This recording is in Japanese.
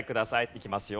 いきますよ。